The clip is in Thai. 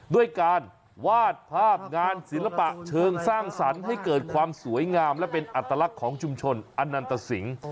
ด้วยการวาดภาพงานศิลปะเชิงสร้างสรรค์ให้เกิดความสวยงามและเป็นอัตลักษณ์ของชุมชนอนันตสิง